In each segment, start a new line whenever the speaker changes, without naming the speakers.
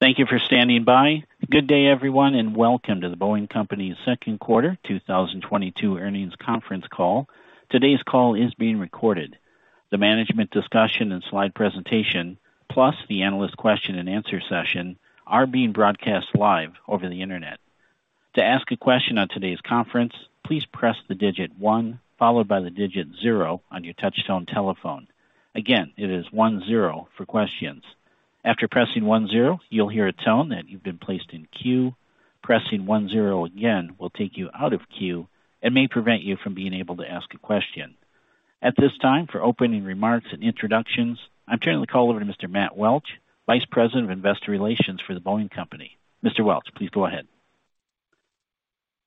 Thank you for standing by. Good day, everyone, and welcome to The Boeing Company's Second Quarter 2022 Earnings Conference Call. Today's call is being recorded. The management discussion and slide presentation, plus the analyst question-and-answer session are being broadcast live over the Internet. To ask a question on today's conference, please press the digit one followed by the digit zero on your touchtone telephone. Again, it is one-zero for questions. After pressing one zero, you'll hear a tone that you've been placed in queue. Pressing one zero again will take you out of queue and may prevent you from being able to ask a question. At this time, for opening remarks and introductions, I'm turning the call over to Mr. Matt Welch, Vice President of investor relations for The Boeing Company. Mr. Welch, please go ahead.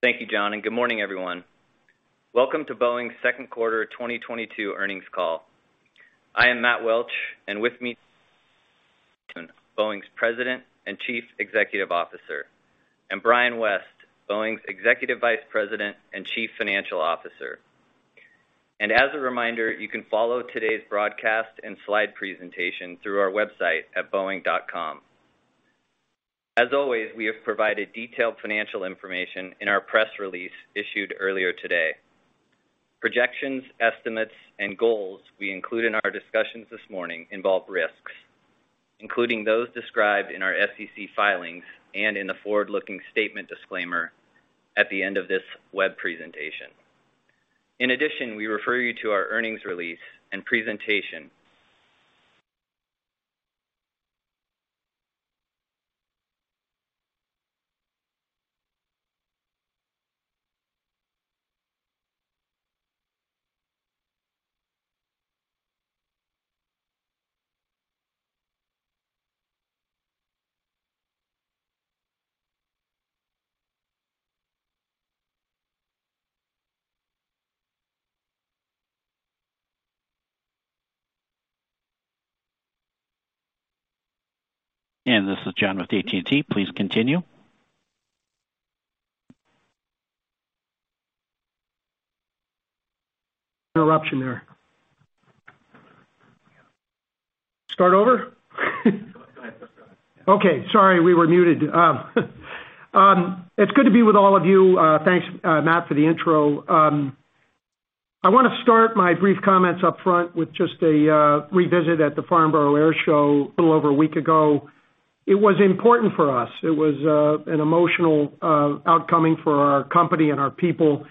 Thank you, John, and good morning, everyone. Welcome to Boeing's Second Quarter 2022 Earnings Call. I am Matt Welch, and with me Boeing's President and Chief Executive Officer, and Brian West, Boeing's Executive Vice President and Chief Financial Officer. As a reminder, you can follow today's broadcast and slide presentation through our website at boeing.com. As always, we have provided detailed financial information in our press release issued earlier today. Projections, estimates and goals we include in our discussions this morning involve risks, including those described in our SEC filings and in the forward-looking statement disclaimer at the end of this web presentation. In addition, we refer you to our earnings release and presentation.
This is John with AT&T. Please continue. Interruption there. Start over?
Go ahead. Let's go.
Okay. Sorry, we were muted. It's good to be with all of you. Thanks, Matt, for the intro. I want to start my brief comments up front with just a revisit at the Farnborough Airshow a little over a week ago. It was important for us. It was an emotional outcome for our company and our people.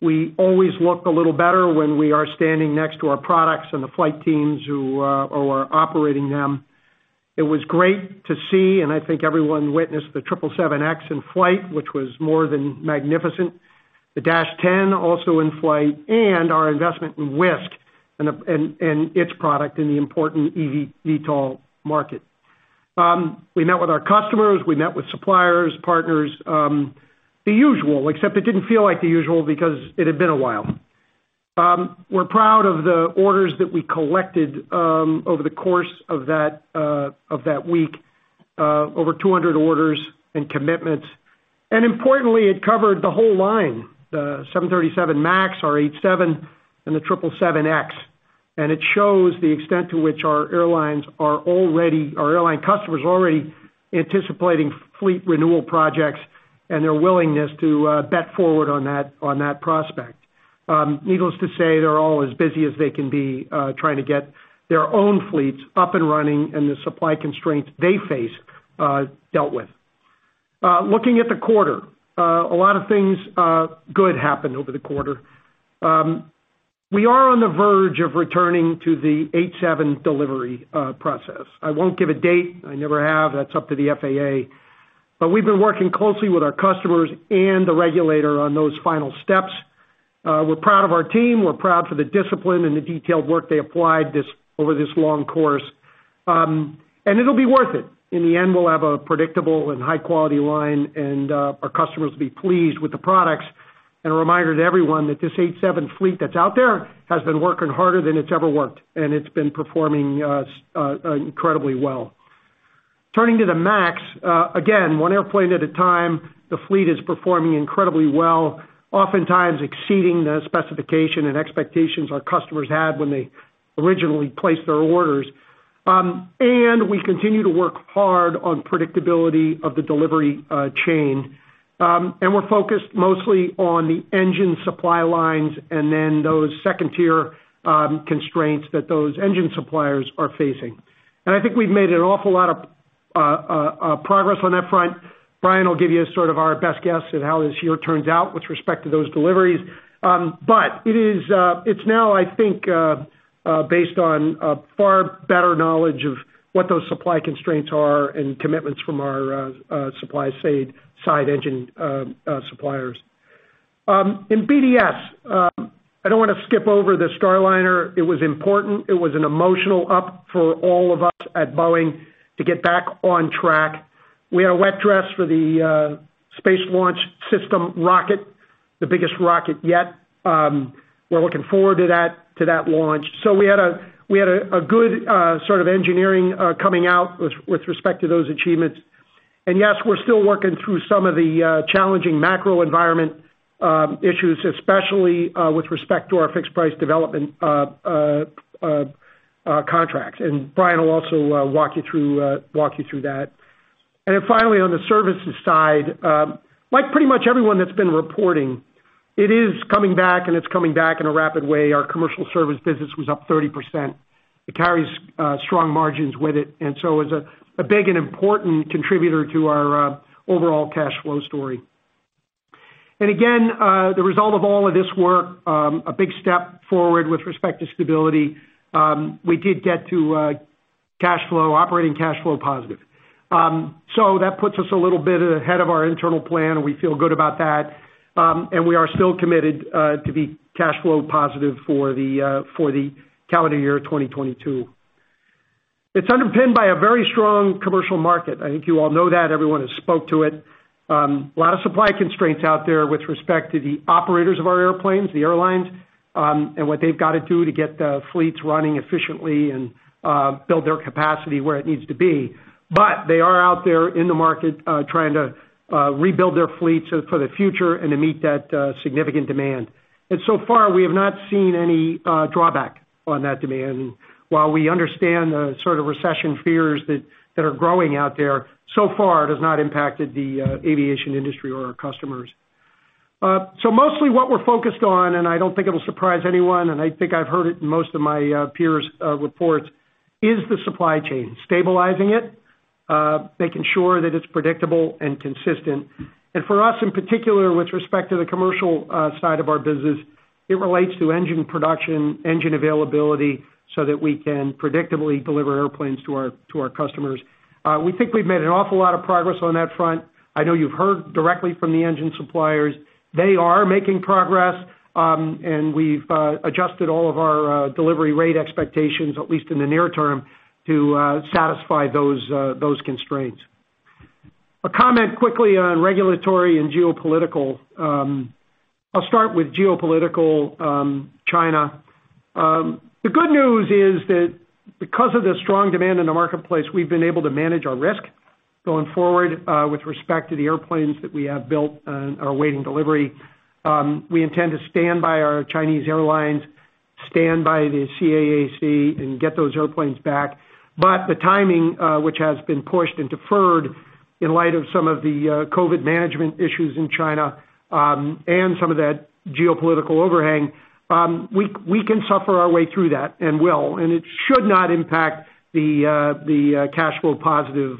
We always look a little better when we are standing next to our products and the flight teams who are operating them. It was great to see, and I think everyone witnessed, the 777X in flight, which was more than magnificent, the 737-10 also in flight, and our investment in Wisk and its product in the important eVTOL market. We met with our customers. We met with suppliers, partners, the usual, except it didn't feel like the usual because it had been a while. We're proud of the orders that we collected over the course of that week, over 200 orders and commitments. Importantly, it covered the whole line, the 737 MAX, our 787, and the 777X. It shows the extent to which our airline customers are already anticipating fleet renewal projects and their willingness to bet forward on that prospect. Needless to say, they're all as busy as they can be, trying to get their own fleets up and running and the supply constraints they face dealt with. Looking at the quarter, a lot of things good happened over the quarter. We are on the verge of returning to the 737 delivery process. I won't give a date. I never have. That's up to the FAA. We've been working closely with our customers and the regulator on those final steps. We're proud of our team. We're proud for the discipline and the detailed work they applied over this long course. It'll be worth it. In the end, we'll have a predictable and high-quality line, and our customers will be pleased with the products. A reminder to everyone that this 737 fleet that's out there has been working harder than it's ever worked, and it's been performing incredibly well. Turning to the MAX, again, one airplane at a time, the fleet is performing incredibly well, oftentimes exceeding the specification and expectations our customers had when they originally placed their orders. We continue to work hard on predictability of the delivery chain. We're focused mostly on the engine supply lines and then those second-tier constraints that those engine suppliers are facing. I think we've made an awful lot of progress on that front. Brian will give you sort of our best guess at how this year turns out with respect to those deliveries. It's now, I think, based on a far better knowledge of what those supply constraints are and commitments from our supply side engine suppliers. In BDS, I don't wanna skip over the Starliner. It was important. It was an emotional up for all of us at Boeing to get back on track. We had a wet dress for the Space Launch System Rocket, the biggest rocket yet. We're looking forward to that launch. We had a good sort of engineering coming out with respect to those achievements. Yes, we're still working through some of the challenging macro environment issues, especially with respect to our fixed-price development contracts. Brian will also walk you through that. Then finally, on the services side, like pretty much everyone that's been reporting, it is coming back and it's coming back in a rapid way. Our commercial service business was up 30%. It carries strong margins with it, and so is a big and important contributor to our overall cash flow story. Again, the result of all of this work, a big step forward with respect to stability, we did get to cash flow, operating cash flow positive. So that puts us a little bit ahead of our internal plan, and we feel good about that. We are still committed to be cash flow positive for the calendar year 2022. It's underpinned by a very strong commercial market. I think you all know that, everyone has spoke to it. A lot of supply constraints out there with respect to the operators of our airplanes, the airlines, and what they've gotta do to get the fleets running efficiently and build their capacity where it needs to be. They are out there in the market trying to rebuild their fleets for the future and to meet that significant demand. So far, we have not seen any drawback on that demand. While we understand the sort of recession fears that are growing out there, so far it has not impacted the aviation industry or our customers. Mostly what we're focused on, and I don't think it'll surprise anyone, and I think I've heard it in most of my peers' reports, is the supply chain. Stabilizing it, making sure that it's predictable and consistent. For us, in particular, with respect to the commercial side of our business, it relates to engine production, engine availability, so that we can predictably deliver airplanes to our customers. We think we've made an awful lot of progress on that front. I know you've heard directly from the engine suppliers. They are making progress, and we've adjusted all of our delivery rate expectations, at least in the near term, to satisfy those constraints. A comment quickly on regulatory and geopolitical. I'll start with geopolitical, China. The good news is that because of the strong demand in the marketplace, we've been able to manage our risk going forward, with respect to the airplanes that we have built and are awaiting delivery. We intend to stand by our Chinese airlines, stand by the CAAC and get those airplanes back. The timing, which has been pushed and deferred in light of some of the COVID management issues in China, and some of that geopolitical overhang, we can suffer our way through that and will, and it should not impact the cash flow positive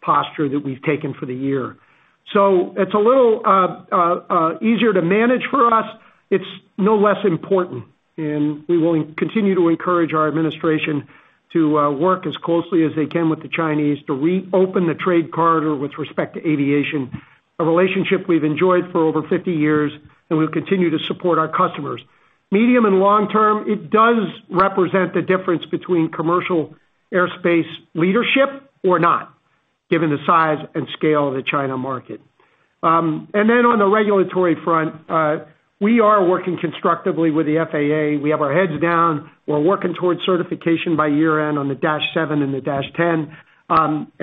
posture that we've taken for the year. It's a little easier to manage for us. It's no less important, and we will continue to encourage our administration to work as closely as they can with the Chinese to reopen the trade corridor with respect to aviation, a relationship we've enjoyed for over 50 years, and we'll continue to support our customers. Medium and long term, it does represent the difference between commercial airplanes leadership or not, given the size and scale of the China market. On the regulatory front, we are working constructively with the FAA. We have our heads down. We're working towards certification by year-end on the dash seven and the dash ten.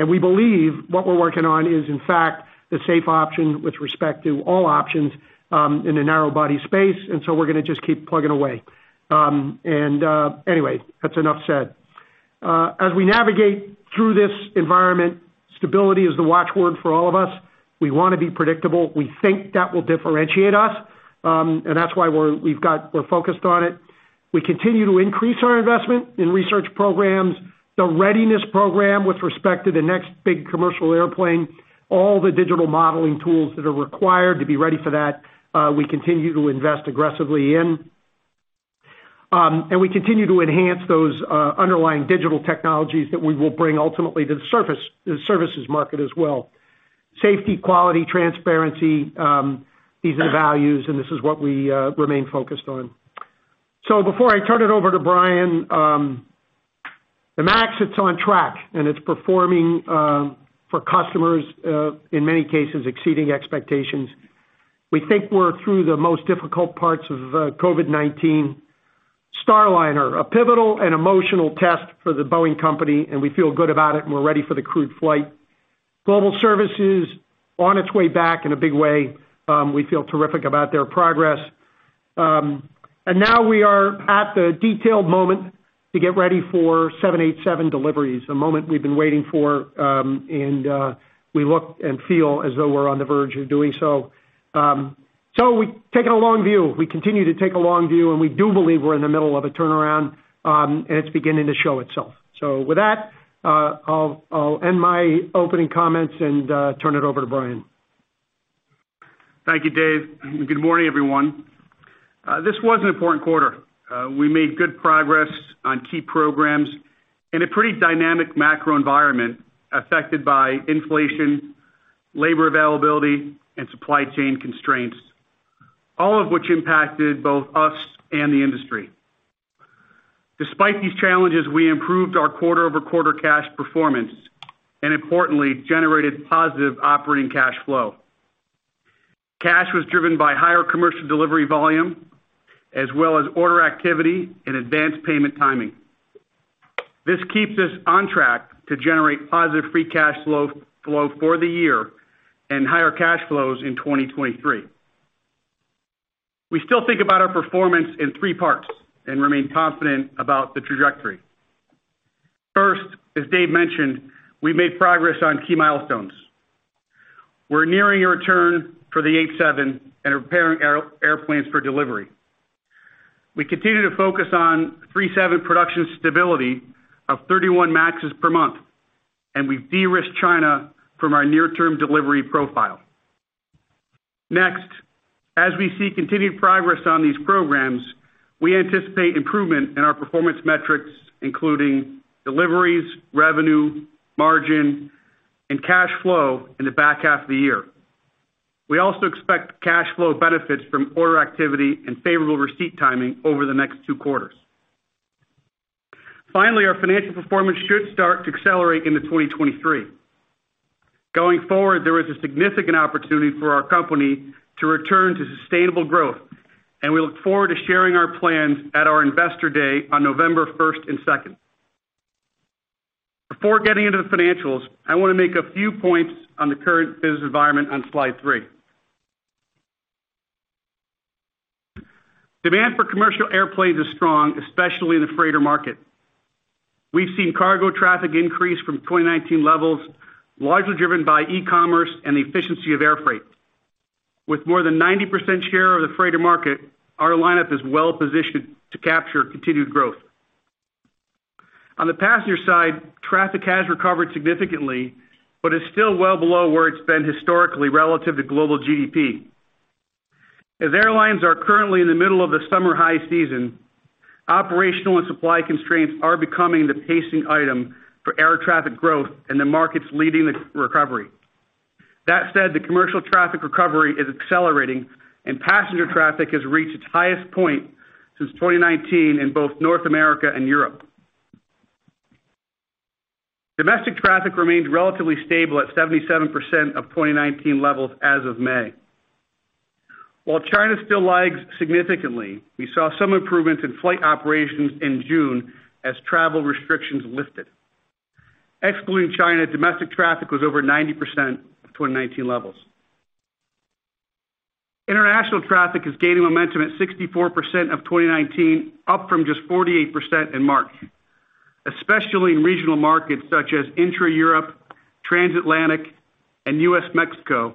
We believe what we're working on is, in fact, the safe option with respect to all options, in the narrow body space, and so we're gonna just keep plugging away. Anyway, that's enough said. As we navigate through this environment, stability is the watchword for all of us. We wanna be predictable. We think that will differentiate us, and that's why we're focused on it. We continue to increase our investment in research programs, the readiness program with respect to the next big commercial airplane, all the digital modeling tools that are required to be ready for that, we continue to invest aggressively in. We continue to enhance those underlying digital technologies that we will bring ultimately to the surface, the services market as well. Safety, quality, transparency, these are the values, and this is what we remain focused on. Before I turn it over to Brian, the MAX, it's on track, and it's performing for customers, in many cases exceeding expectations. We think we're through the most difficult parts of COVID-19. Starliner, a pivotal and emotional test for the Boeing Company, and we feel good about it, and we're ready for the crewed flight. Global Services on its way back in a big way. We feel terrific about their progress. Now we are at the detailed moment to get ready for 787 deliveries, a moment we've been waiting for, and we look and feel as though we're on the verge of doing so. We've taken a long view. We continue to take a long view, and we do believe we're in the middle of a turnaround, and it's beginning to show itself. With that, I'll end my opening comments and turn it over to Brian.
Thank you, Dave. Good morning, everyone. This was an important quarter. We made good progress on key programs in a pretty dynamic macro environment affected by inflation, labor availability, and supply chain constraints, all of which impacted both us and the industry. Despite these challenges, we improved our quarter-over-quarter cash performance, and importantly, generated positive operating cash flow. Cash was driven by higher commercial delivery volume, as well as order activity and advanced payment timing. This keeps us on track to generate positive free cash flow for the year and higher cash flows in 2023. We still think about our performance in three parts and remain confident about the trajectory. First, as Dave mentioned, we made progress on key milestones. We're nearing a return for the 737 and repairing airplanes for delivery. We continue to focus on 737 production stability of 31 MAXes per month, and we've de-risked China from our near-term delivery profile. Next, as we see continued progress on these programs, we anticipate improvement in our performance metrics, including deliveries, revenue, margin, and cash flow in the back half of the year. We also expect cash flow benefits from order activity and favorable receipt timing over the next two quarters. Finally, our financial performance should start to accelerate into 2023. Going forward, there is a significant opportunity for our company to return to sustainable growth, and we look forward to sharing our plans at our Investor Day on November first and second. Before getting into the financials, I want to make a few points on the current business environment on slide three. Demand for commercial airplanes is strong, especially in the freighter market. We've seen cargo traffic increase from 2019 levels, largely driven by e-commerce and the efficiency of air freight. With more than 90% share of the freighter market, our lineup is well-positioned to capture continued growth. On the passenger side, traffic has recovered significantly, but is still well below where it's been historically relative to global GDP. As airlines are currently in the middle of the summer high season, operational and supply constraints are becoming the pacing item for air traffic growth in the markets leading the recovery. That said, the commercial traffic recovery is accelerating, and passenger traffic has reached its highest point since 2019 in both North America and Europe. Domestic traffic remains relatively stable at 77% of 2019 levels as of May. While China still lags significantly, we saw some improvements in flight operations in June as travel restrictions lifted. Excluding China, domestic traffic was over 90% of 2019 levels. International traffic is gaining momentum at 64% of 2019, up from just 48% in March, especially in regional markets such as intra-Europe, Transatlantic, and U.S.-Mexico,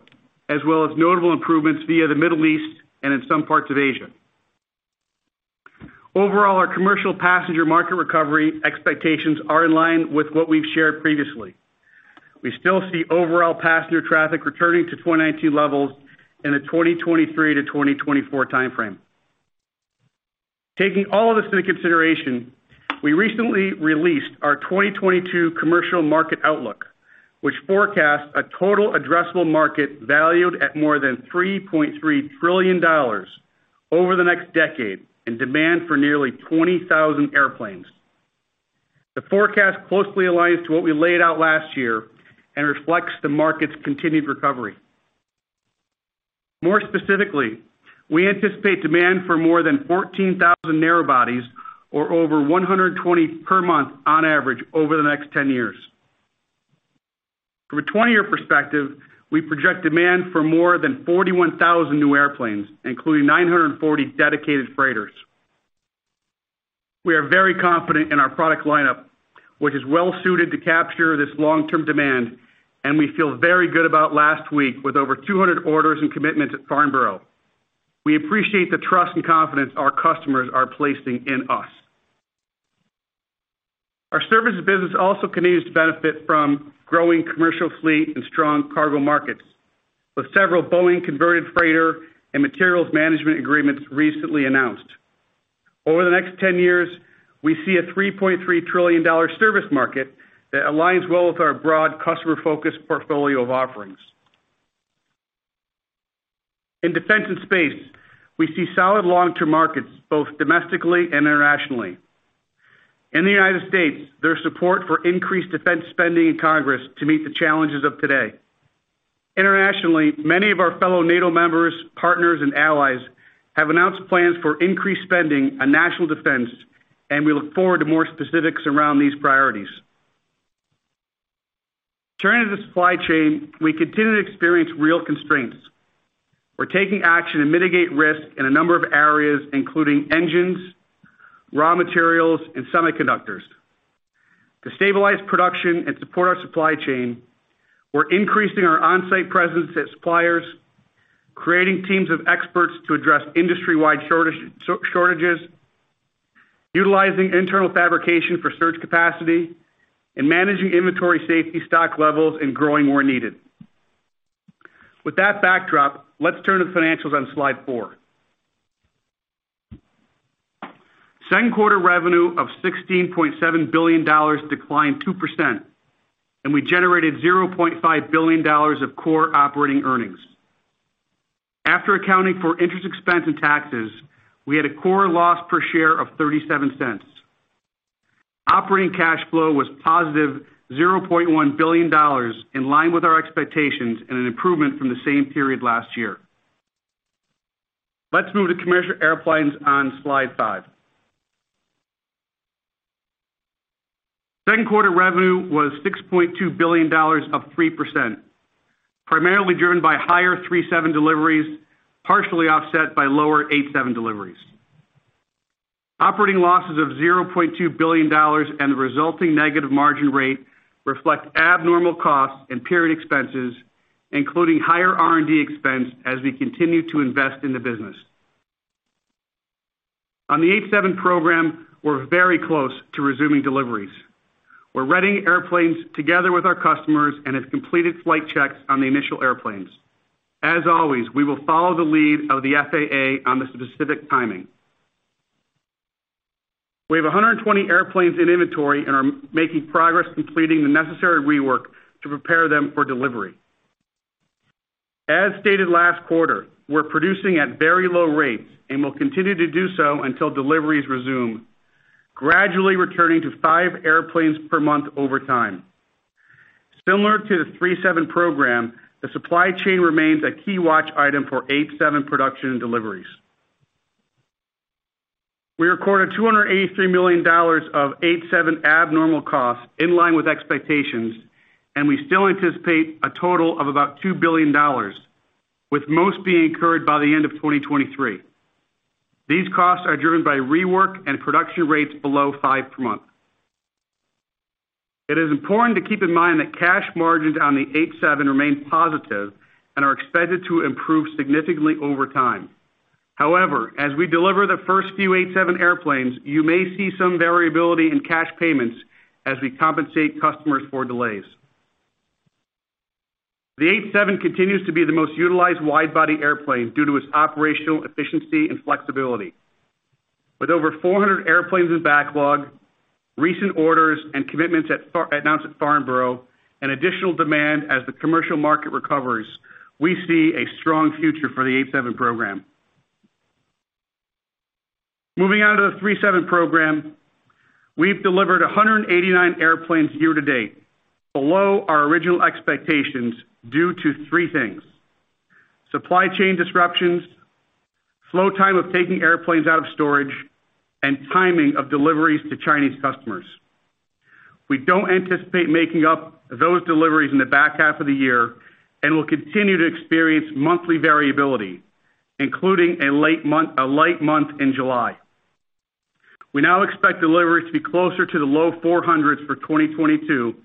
as well as notable improvements via the Middle East and in some parts of Asia. Overall, our commercial passenger market recovery expectations are in line with what we've shared previously. We still see overall passenger traffic returning to 2019 levels in the 2023-2024 timeframe. Taking all of this into consideration, we recently released our 2022 Commercial Market Outlook, which forecasts a total addressable market valued at more than $3.3 trillion over the next decade in demand for nearly 20,000 airplanes. The forecast closely aligns to what we laid out last year and reflects the market's continued recovery. More specifically, we anticipate demand for more than 14,000 narrow bodies or over 120 per month on average over the next 10 years. From a 20-year perspective, we project demand for more than 41,000 new airplanes, including 940 dedicated freighters. We are very confident in our product lineup, which is well suited to capture this long-term demand, and we feel very good about last week with over 200 orders and commitments at Farnborough. We appreciate the trust and confidence our customers are placing in us. Our services business also continues to benefit from growing commercial fleet and strong cargo markets, with several Boeing converted freighter and materials management agreements recently announced. Over the next 10 years, we see a $3.3 trillion service market that aligns well with our broad customer-focused portfolio of offerings. In defense and space, we see solid long-term markets, both domestically and internationally. In the United States, there's support for increased defense spending in Congress to meet the challenges of today. Internationally, many of our fellow NATO members, partners, and allies have announced plans for increased spending on national defense, and we look forward to more specifics around these priorities. Turning to the supply chain, we continue to experience real constraints. We're taking action to mitigate risk in a number of areas, including engines, raw materials, and semiconductors. To stabilize production and support our supply chain, we're increasing our on-site presence at suppliers, creating teams of experts to address industry-wide shortages, utilizing internal fabrication for surge capacity, and managing inventory safety stock levels and growing where needed. With that backdrop, let's turn to financials on slide four. Second quarter revenue of $16.7 billion declined 2%, and we generated $0.5 billion of core operating earnings. After accounting for interest expense and taxes, we had a core loss per share of $0.37. Operating cash flow was positive $0.1 billion in line with our expectations and an improvement from the same period last year. Let's move to commercial airplanes on slide five. Second quarter revenue was $6.2 billion, up 3%, primarily driven by higher 737 deliveries, partially offset by lower 787 deliveries. Operating losses of $0.2 billion and the resulting negative margin rate reflect abnormal costs and period expenses, including higher R&D expense as we continue to invest in the business. On the 787 program, we're very close to resuming deliveries. We're readying airplanes together with our customers and have completed flight checks on the initial airplanes. As always, we will follow the lead of the FAA on the specific timing. We have 120 airplanes in inventory and are making progress completing the necessary rework to prepare them for delivery. As stated last quarter, we're producing at very low rates and will continue to do so until deliveries resume, gradually returning to five airplanes per month over time. Similar to the 737 program, the supply chain remains a key watch item for 787 production and deliveries. We recorded $283 million of 787 abnormal costs in line with expectations, and we still anticipate a total of about $2 billion, with most being incurred by the end of 2023. These costs are driven by rework and production rates below five per month. It is important to keep in mind that cash margins on the 787 remain positive and are expected to improve significantly over time. However, as we deliver the first few 787 airplanes, you may see some variability in cash payments as we compensate customers for delays. The 787 continues to be the most utilized wide-body airplane due to its operational efficiency and flexibility. With over 400 airplanes in backlog, recent orders, and commitments announced at Farnborough, and additional demand as the commercial market recovers, we see a strong future for the 787 program. Moving on to the 737 program, we've delivered 189 airplanes year to date, below our original expectations due to three things, supply chain disruptions, flow time of taking airplanes out of storage, and timing of deliveries to Chinese customers. We don't anticipate making up those deliveries in the back half of the year and will continue to experience monthly variability, including a light month in July. We now expect deliveries to be closer to the low 400s for 2022,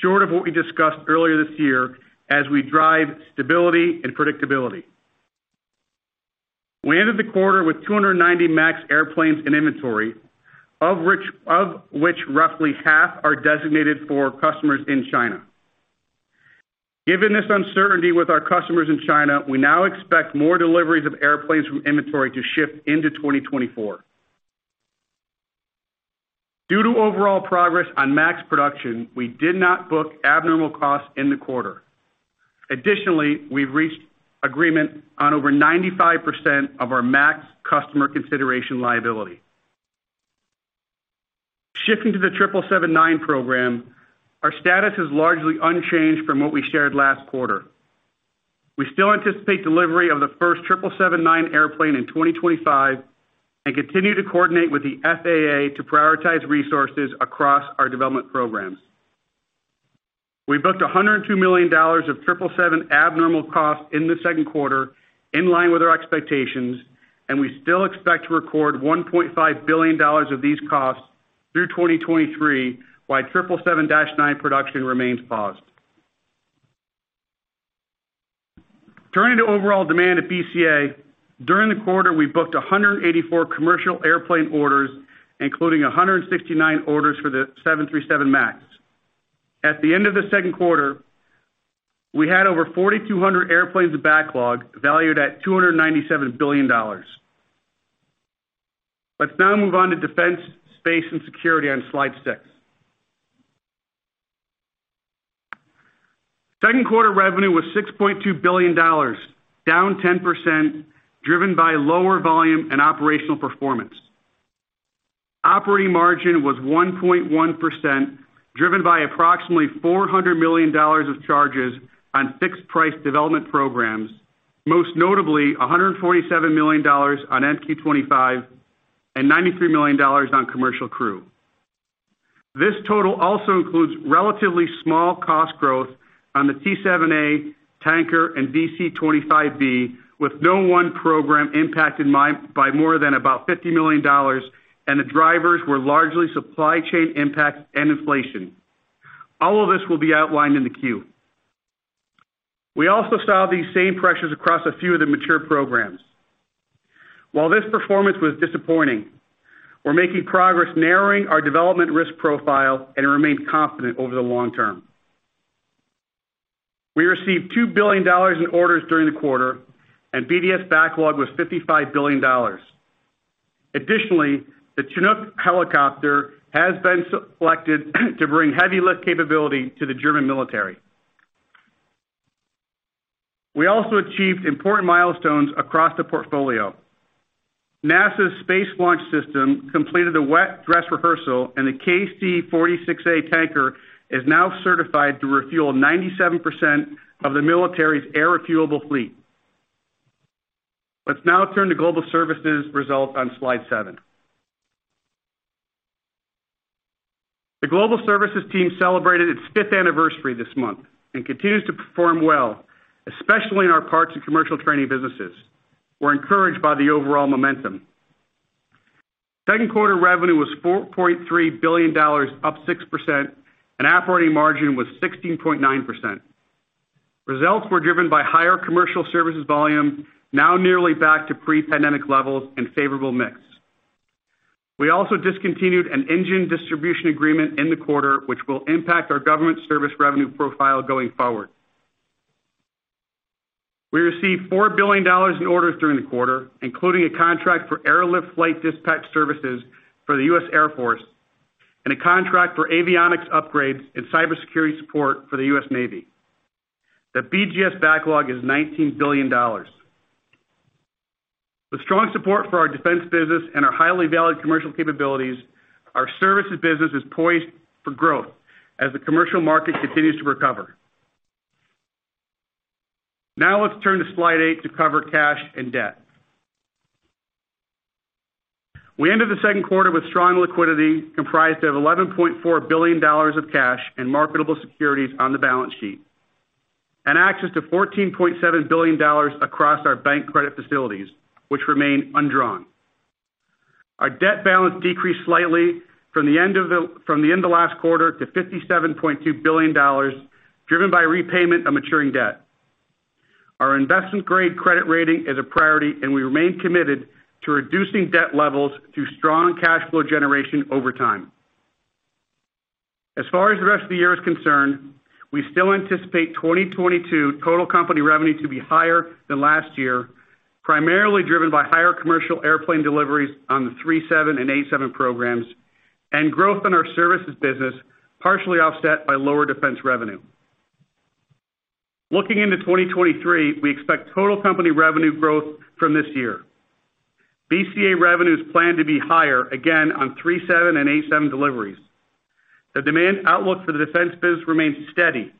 short of what we discussed earlier this year as we drive stability and predictability. We ended the quarter with 290 MAX airplanes in inventory, of which roughly half are designated for customers in China. Given this uncertainty with our customers in China, we now expect more deliveries of airplanes from inventory to shift into 2024. Due to overall progress on MAX production, we did not book abnormal costs in the quarter. Additionally, we've reached agreement on over 95% of our MAX customer consideration liability. Shifting to the 777-9 program, our status is largely unchanged from what we shared last quarter. We still anticipate delivery of the first 777-9 airplane in 2025 and continue to coordinate with the FAA to prioritize resources across our development programs. We booked $102 million of 777 abnormal costs in the second quarter in line with our expectations, and we still expect to record $1.5 billion of these costs through 2023, while 777-9 production remains paused. Turning to overall demand at BCA, during the quarter, we booked 184 commercial airplane orders, including 169 orders for the 737 MAX. At the end of the second quarter, we had over 4,200 airplanes of backlog valued at $297 billion. Let's now move on to defense, space and security on slide six. Second quarter revenue was $6.2 billion, down 10%, driven by lower volume and operational performance. Operating margin was 1.1%, driven by approximately $400 million of charges on fixed-price development programs, most notably $147 million on MQ-25 and $93 million on Commercial Crew. This total also includes relatively small cost growth on the T-7A, Tanker, and VC-25B, with no one program impacted by more than about $50 million, and the drivers were largely supply chain impacts and inflation. All of this will be outlined in the queue. We also saw these same pressures across a few of the mature programs. While this performance was disappointing, we're making progress narrowing our development risk profile and remain confident over the long term. We received $2 billion in orders during the quarter, and BDS backlog was $55 billion. Additionally, the Chinook helicopter has been selected to bring heavy lift capability to the German military. We also achieved important milestones across the portfolio. NASA's Space Launch System completed a wet dress rehearsal, and the KC-46A tanker is now certified to refuel 97% of the military's air refuelable fleet. Let's now turn to global services results on slide seven. The global services team celebrated its fifth anniversary this month and continues to perform well, especially in our parts and commercial training businesses. We're encouraged by the overall momentum. Second quarter revenue was $4.3 billion, up 6%, and operating margin was 16.9%. Results were driven by higher commercial services volume, now nearly back to pre-pandemic levels and favorable mix. We also discontinued an engine distribution agreement in the quarter, which will impact our government service revenue profile going forward. We received $4 billion in orders during the quarter, including a contract for airlift flight dispatch services for the U.S. Air Force and a contract for avionics upgrades and cybersecurity support for the U.S. Navy. The BGS backlog is $19 billion. With strong support for our defense business and our highly valued commercial capabilities, our services business is poised for growth as the commercial market continues to recover. Now let's turn to slide eight to cover cash and debt. We ended the second quarter with strong liquidity, comprised of $11.4 billion of cash and marketable securities on the balance sheet, and access to $14.7 billion across our bank credit facilities, which remain undrawn. Our debt balance decreased slightly from the end of last quarter to $57.2 billion, driven by repayment of maturing debt. Our investment-grade credit rating is a priority, and we remain committed to reducing debt levels through strong cash flow generation over time. As far as the rest of the year is concerned, we still anticipate 2022 total company revenue to be higher than last year, primarily driven by higher commercial airplane deliveries on the 737 and 787 programs and growth in our services business, partially offset by lower defense revenue. Looking into 2023, we expect total company revenue growth from this year. BCA revenues plan to be higher again on 737 and 787 deliveries. The demand outlook for the defense business remains steady,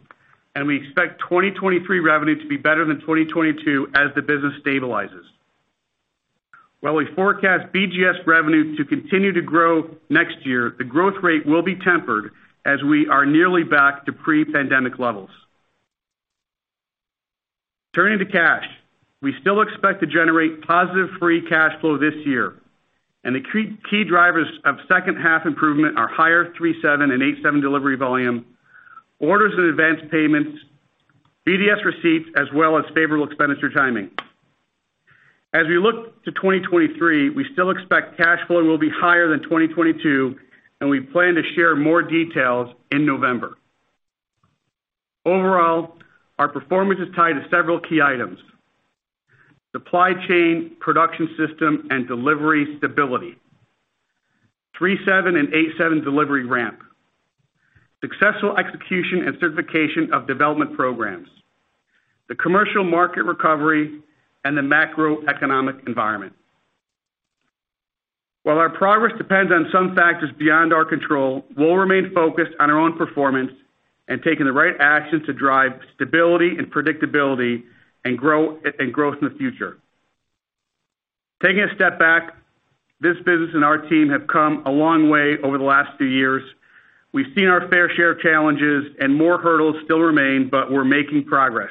and we expect 2023 revenue to be better than 2022 as the business stabilizes. While we forecast BGS revenue to continue to grow next year, the growth rate will be tempered as we are nearly back to pre-pandemic levels. Turning to cash, we still expect to generate positive free cash flow this year, and the key drivers of second half improvement are higher 737 and 777 delivery volume, orders and advances payments, BDS receipts, as well as favorable expenditure timing. As we look to 2023, we still expect cash flow will be higher than 2022, and we plan to share more details in November. Overall, our performance is tied to several key items. Supply chain, production system, and delivery stability, 737 and 777 delivery ramp, successful execution and certification of development programs, the commercial market recovery, and the macroeconomic environment. While our progress depends on some factors beyond our control, we'll remain focused on our own performance and taking the right actions to drive stability and predictability and grow, and growth in the future. Taking a step back, this business and our team have come a long way over the last few years. We've seen our fair share of challenges and more hurdles still remain, but we're making progress.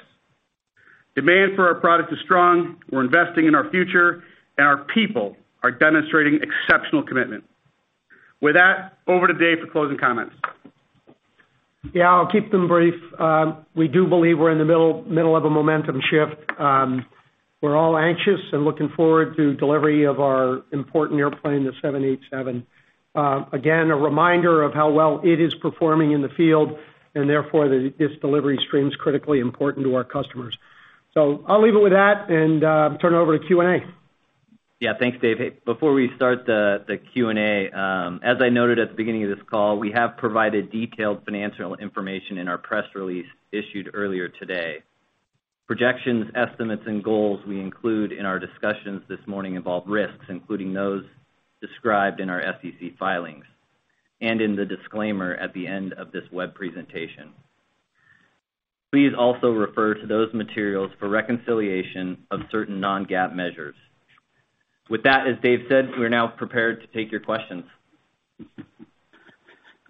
Demand for our products is strong. We're investing in our future, and our people are demonstrating exceptional commitment. With that, over to Dave for closing comments.
Yeah, I'll keep them brief. We do believe we're in the middle of a momentum shift. We're all anxious and looking forward to delivery of our important airplane, the 787. Again, a reminder of how well it is performing in the field, and therefore, this delivery stream is critically important to our customers. I'll leave it with that and turn it over to Q&A.
Yeah, thanks, Dave. Before we start the Q&A, as I noted at the beginning of this call, we have provided detailed financial information in our press release issued earlier today. Projections, estimates, and goals we include in our discussions this morning involve risks, including those described in our SEC filings and in the disclaimer at the end of this web presentation. Please also refer to those materials for reconciliation of certain non-GAAP measures. With that, as Dave said, we're now prepared to take your questions.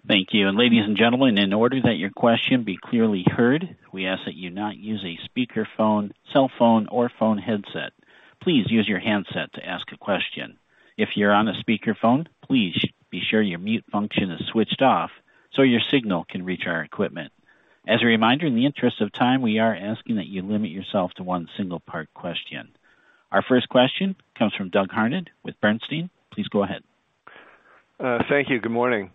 Thank you. Ladies and gentlemen, in order that your question be clearly heard, we ask that you not use a speakerphone, cell phone, or phone headset. Please use your handset to ask a question. If you're on a speakerphone, please be sure your mute function is switched off so your signal can reach our equipment. As a reminder, in the interest of time, we are asking that you limit yourself to one single part question. Our first question comes from Douglas Harned with Bernstein. Please go ahead.
Thank you. Good morning.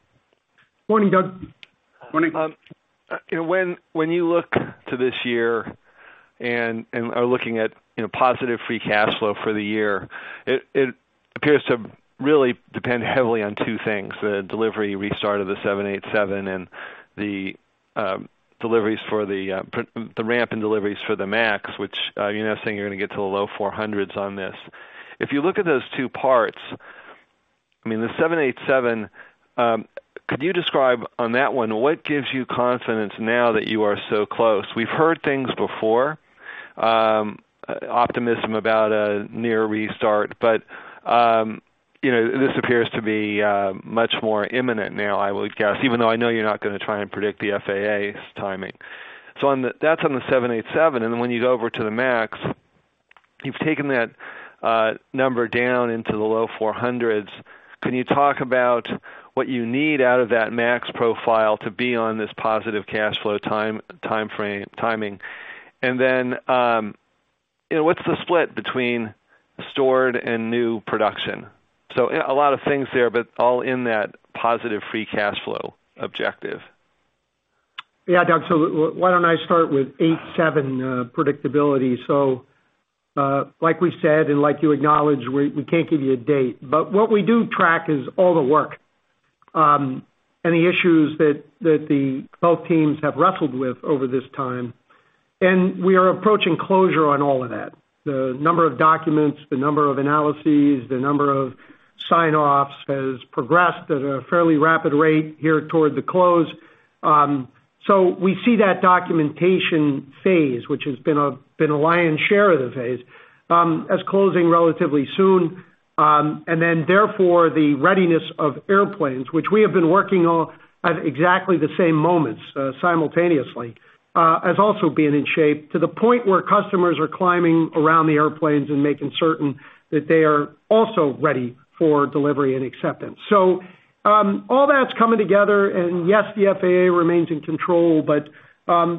Morning, Doug.
Morning. When you look to this year and are looking at, you know, positive free cash flow for the year, it Appears to really depend heavily on two things, the delivery restart of the 787 and the deliveries for the ramp and deliveries for the MAX, which you're now saying you're gonna get to the low 400s on this. If you look at those two parts, I mean, the 787, could you describe on that one what gives you confidence now that you are so close? We've heard things before, optimism about a near restart, but you know, this appears to be much more imminent now, I would guess, even though I know you're not gonna try and predict the FAA's timing. That's on the 787, and then when you go over to the MAX, you've taken that number down into the low 400s. Can you talk about what you need out of that MAX profile to be on this positive cash flow time, timeframe, timing? You know, what's the split between stored and new production? A lot of things there, but all in that positive free cash flow objective.
Yeah, Doug, why don't I start with 87 predictability. Like we said, and like you acknowledged, we can't give you a date. But what we do track is all the work and the issues that both teams have wrestled with over this time, and we are approaching closure on all of that. The number of documents, the number of analyses, the number of sign-offs has progressed at a fairly rapid rate here toward the close. We see that documentation phase, which has been a lion's share of the phase, as closing relatively soon. Therefore, the readiness of airplanes, which we have been working on at exactly the same moments, simultaneously, as also being in shape to the point where customers are climbing around the airplanes and making certain that they are also ready for delivery and acceptance. All that's coming together, and yes, the FAA remains in control, but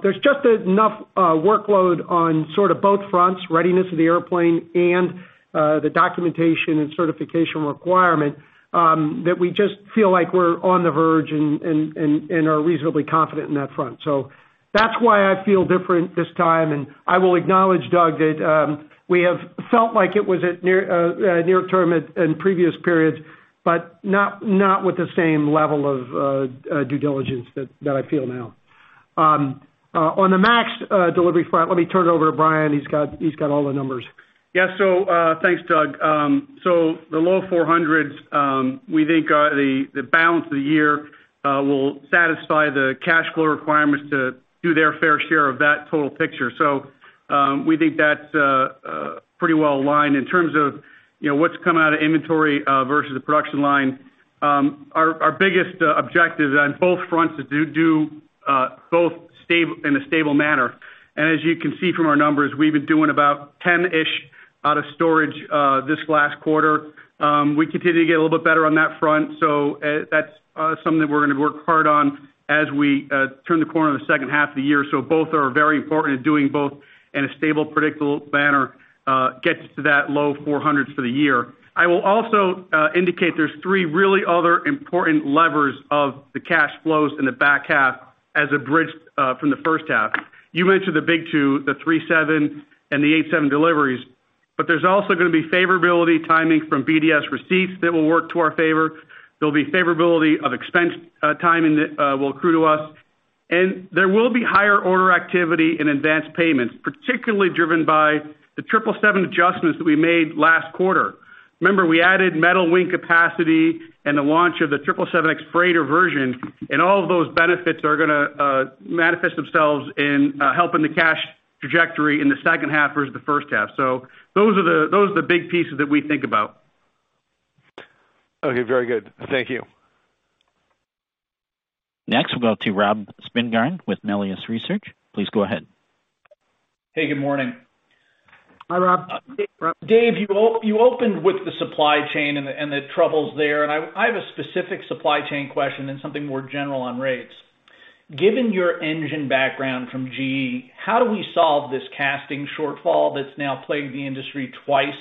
there's just enough workload on sort of both fronts, readiness of the airplane and the documentation and certification requirement, that we just feel like we're on the verge and are reasonably confident in that front. That's why I feel different this time, and I will acknowledge, Doug, that we have felt like it was at near term in previous periods, but not with the same level of due diligence that I feel now. On the MAX delivery front, let me turn it over to Brian. He's got all the numbers.
Yeah. Thanks, Doug. The low $400s, we think, the balance of the year will satisfy the cash flow requirements to do their fair share of that total picture. We think that's pretty well aligned. In terms of, you know, what's coming out of inventory versus the production line, our biggest objective on both fronts is to do both in a stable manner. As you can see from our numbers, we've been doing about 10 out of storage this last quarter. We continue to get a little bit better on that front. That's something that we're gonna work hard on as we turn the corner in the second half of the year. Both are very important, and doing both in a stable, predictable manner gets us to that low 400s for the year. I will also indicate there's three really other important levers of the cash flows in the back half as a bridge from the first half. You mentioned the big two, the 737 and the 787 deliveries, but there's also gonna be favorability timing from BDS receipts that will work to our favor. There'll be favorability of expense timing that will accrue to us. There will be higher order activity in advanced payments, particularly driven by the 777 adjustments that we made last quarter. Remember, we added metal wing capacity and the launch of the 777X Freighter version, and all of those benefits are gonna manifest themselves in helping the cash trajectory in the second half versus the first half. Those are the big pieces that we think about.
Okay, very good. Thank you.
Next, we'll go to Robert Spingarn with Melius Research. Please go ahead.
Hey, good morning.
Hi, Rob.
Rob.
Dave, you opened with the supply chain and the troubles there, and I have a specific supply chain question and something more general on rates. Given your engine background from GE, how do we solve this casting shortfall that's now plagued the industry twice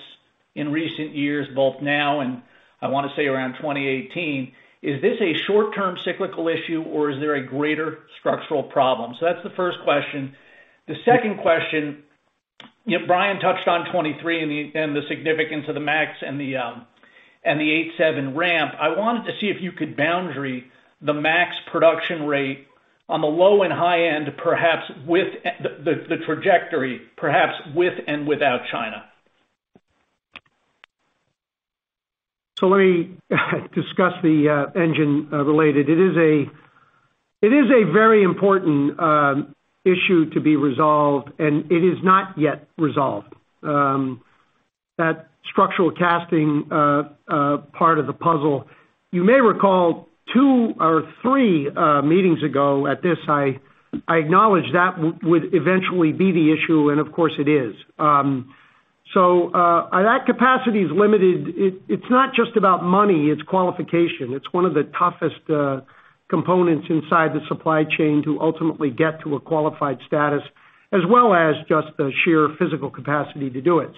in recent years, both now and I wanna say around 2018? Is this a short-term cyclical issue, or is there a greater structural problem? That's the first question. The second question, Brian touched on 2023 and the significance of the MAX and the 787 ramp. I wanted to see if you could boundary the MAX production rate on the low and high end, perhaps with the trajectory, perhaps with and without China.
Let me discuss the engine related. It is a very important issue to be resolved, and it is not yet resolved. That structural casting part of the puzzle. You may recall two or three meetings ago at this. I acknowledged that would eventually be the issue, and of course it is. That capacity is limited. It's not just about money, it's qualification. It's one of the toughest components inside the supply chain to ultimately get to a qualified status, as well as just the sheer physical capacity to do it.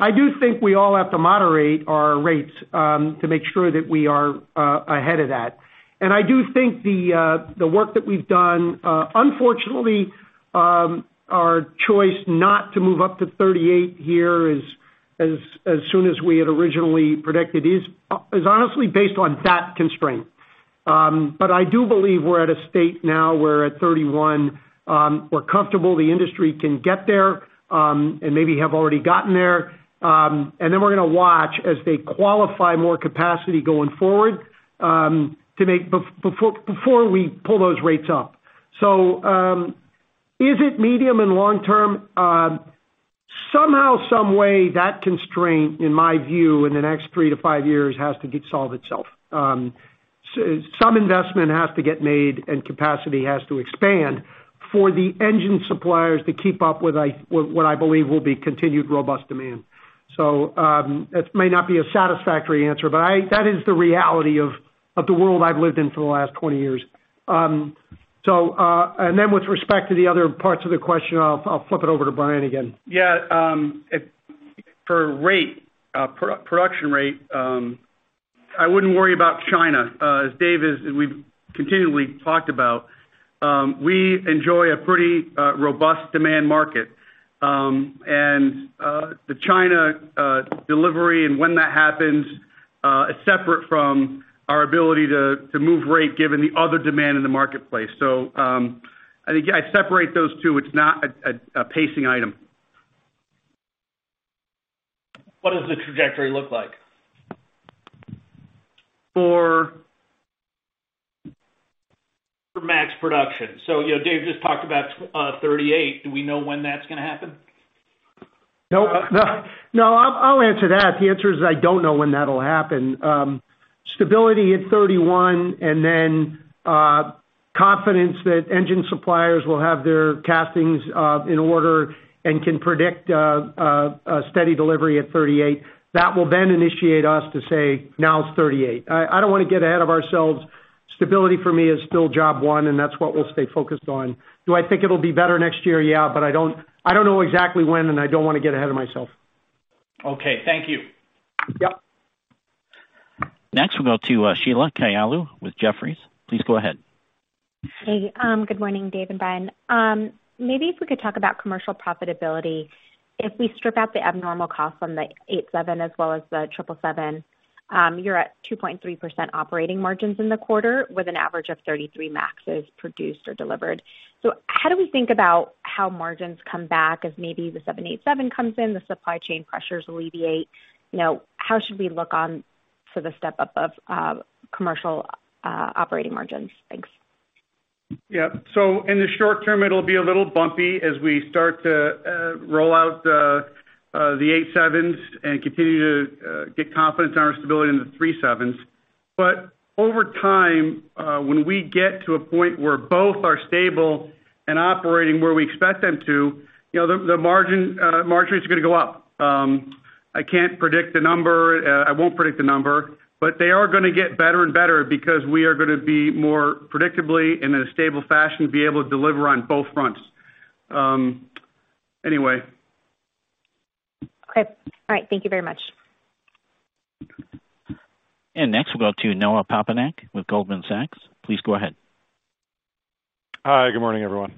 I do think we all have to moderate our rates to make sure that we are ahead of that. I do think the work that we've done, unfortunately, our choice not to move up to 38 here as soon as we had originally predicted is honestly based on that constraint. I do believe we're at a state now where at 31, we're comfortable the industry can get there, and maybe have already gotten there. Then we're gonna watch as they qualify more capacity going forward, before we pull those rates up. Is it medium and long-term? Somehow, some way that constraint, in my view, in the next three to five years, has to dissolve itself. Some investment has to get made and capacity has to expand for the engine suppliers to keep up with what I believe will be continued robust demand. That may not be a satisfactory answer, that is the reality of the world I've lived in for the last 20 years. With respect to the other parts of the question, I'll flip it over to Brian again.
Yeah. If for production rate, I wouldn't worry about China. As Dave has, we've continually talked about, we enjoy a pretty robust demand market. The China delivery and when that happens is separate from our ability to move rate given the other demand in the marketplace. I think I'd separate those two. It's not a pacing item.
What does the trajectory look like?
For?
For MAX production. You know, Dave just talked about 38. Do we know when that's gonna happen?
Nope. No, I'll answer that. The answer is I don't know when that'll happen. Stability at 31 and then, confidence that engine suppliers will have their castings in order and can predict a steady delivery at 38, that will then initiate us to say, "Now it's 38." I don't wanna get ahead of ourselves. Stability for me is still job one, and that's what we'll stay focused on. Do I think it'll be better next year? Yeah, but I don't know exactly when, and I don't wanna get ahead of myself.
Okay. Thank you.
Yep.
Next, we'll go to Sheila Kahyaoglu with Jefferies. Please go ahead.
Hey. Good morning, Dave and Brian. Maybe if we could talk about commercial profitability. If we strip out the abnormal cost from the 787 as well as the 777, you're at 2.3% operating margins in the quarter with an average of 33 MAXes produced or delivered. How do we think about how margins come back as maybe the 787 comes in, the supply chain pressures alleviate? You know, how should we look on for the step up of commercial operating margins? Thanks.
Yeah. In the short term, it'll be a little bumpy as we start to roll out the 87s and continue to get confidence on our stability in the 37s. Over time, when we get to a point where both are stable and operating where we expect them to, you know, the margins are gonna go up. I can't predict the number. I won't predict the number, but they are gonna get better and better because we are gonna be more predictably, in a stable fashion, be able to deliver on both fronts. Anyway.
Okay. All right. Thank you very much.
Next, we'll go to Noah Poponak with Goldman Sachs. Please go ahead.
Hi, good morning, everyone.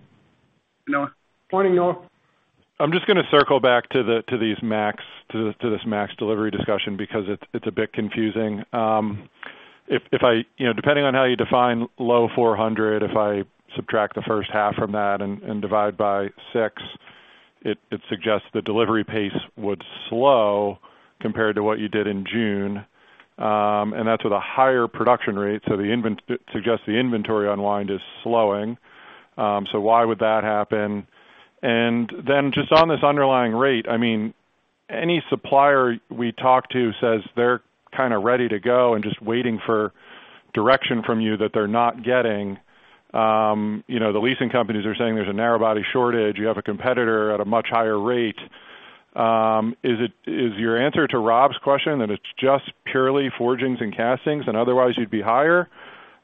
Noah.
Morning, Noah.
I'm just gonna circle back to the MAX delivery discussion because it's a bit confusing. If I... You know, depending on how you define low 400, if I subtract the first half from that and divide by six, it suggests the delivery pace would slow compared to what you did in June, and that's with a higher production rate. The inventory online is slowing. Why would that happen? Just on this underlying rate, I mean, any supplier we talk to says they're kinda ready to go and just waiting for direction from you that they're not getting. You know, the leasing companies are saying there's a narrow body shortage. You have a competitor at a much higher rate. Is your answer to Rob's question that it's just purely forgings and castings and otherwise you'd be higher?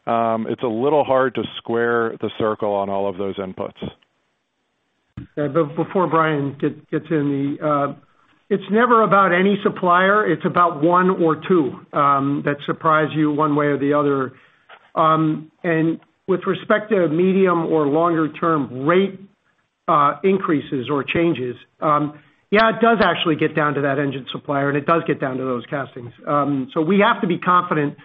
It's a little hard to square the circle on all of those inputs.
Yeah. Before Brian gets in the it's never about any supplier, it's about one or two that surprise you one way or the other. With respect to medium or longer-term rate increases or changes, yeah, it does actually get down to that engine supplier, and it does get down to those castings. We have to be confident